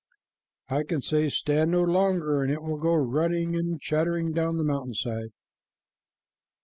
"I can say, 'Stand no longer,' and it will go running and chattering down the mountain side."